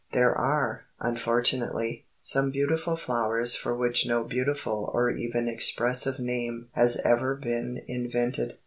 There are, unfortunately, some beautiful flowers for which no beautiful or even expressive name has ever been invented.